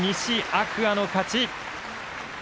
天空海の勝ち。